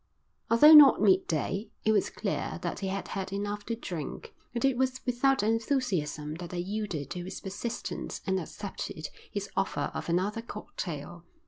Although not midday, it was clear that he had had enough to drink, and it was without enthusiasm that I yielded to his persistence and accepted his offer of another cocktail.